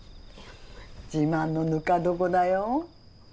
自慢のぬか床だよ。